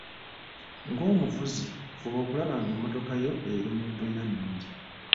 Ng'omuvuzi fuba okulaba ng'emmotoka yo eri mu mbeera nnungi.